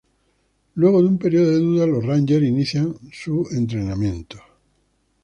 Luego de un período de duda, los rangers inician su entrenamiento.